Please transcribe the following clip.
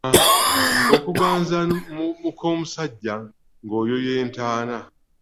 Okuganza mukoomusajja ng’oyoya ntaana.